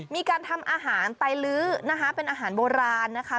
มีการทำอาหารไตลื้อนะคะเป็นอาหารโบราณนะคะ